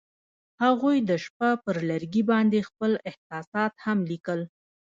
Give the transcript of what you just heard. هغوی د شپه پر لرګي باندې خپل احساسات هم لیکل.